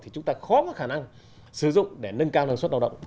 thì chúng ta khó có khả năng sử dụng để nâng cao năng suất lao động